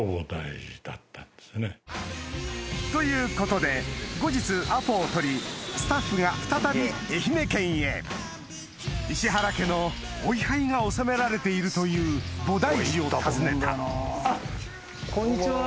ということで後日アポを取りスタッフが再び愛媛県へ石原家のお位牌がおさめられているという菩提寺を訪ねたあっこんにちは。